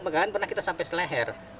pegangan pernah kita sampai seleher